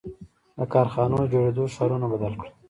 • د کارخانو جوړېدو ښارونه بدل کړل.